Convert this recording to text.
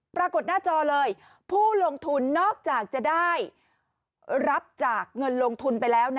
ปรากฏหน้าจอเลยผู้ลงทุนนอกจากจะได้รับจากเงินลงทุนไปแล้วนะ